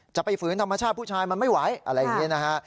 ไปฝืนธรรมชาติผู้ชายมันไม่ไหวอะไรอย่างนี้นะฮะ